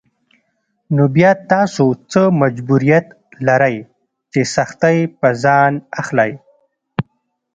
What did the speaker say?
نو بيا تاسو څه مجبوريت لرئ چې سختۍ پر ځان اخلئ.